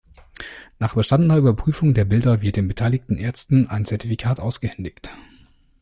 Nach bestandener Überprüfung der Bilder wird den beteiligten Ärzten ein Zertifikat ausgehändigt.